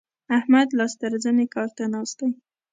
احمد لاس تر زنې کار ته ناست دی.